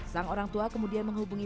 sang orang tua kemudian menghubungi